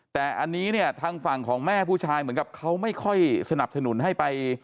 แต่อันนี้เนี่ยทางฝั่งของแม่ผู้ชายเหมือนกับเขาไม่ค่อยสนับสนุนให้ไป